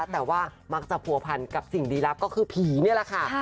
แต่ว่ามักจะผัวพันกับสิ่งดีลับก็คือผีนี่แหละค่ะ